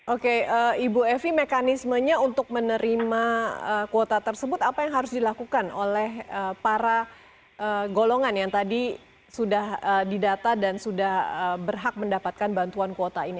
oke ibu evi mekanismenya untuk menerima kuota tersebut apa yang harus dilakukan oleh para golongan yang tadi sudah didata dan sudah berhak mendapatkan bantuan kuota ini